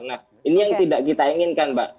nah ini yang tidak kita inginkan mbak